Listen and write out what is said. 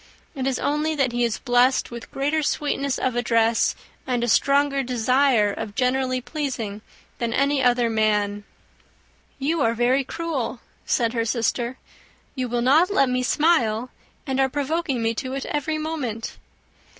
It is only that he is blessed with greater sweetness of address, and a stronger desire of generally pleasing, than any other man." "You are very cruel," said her sister, "you will not let me smile, and are provoking me to it every moment."